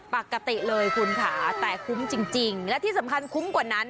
ปกติเลยคุณค่ะแต่คุ้มจริงและที่สำคัญคุ้มกว่านั้น